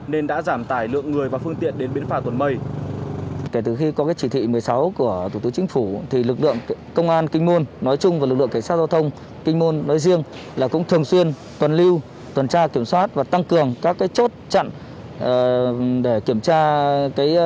nên đã giảm tải lượng người và phương tiện đến biến phả tuần mây